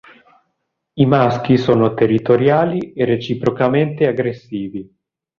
I maschi sono territoriali e reciprocamente aggressivi.